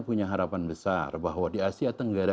punya harapan besar bahwa di asia tenggara